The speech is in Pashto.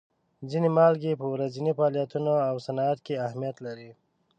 ځینې مالګې په ورځیني فعالیتونو او صنعت کې اهمیت لري.